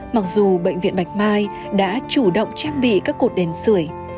mặc dù bệnh viện bạch mai đã chủ động trang bị các cột đèn sửa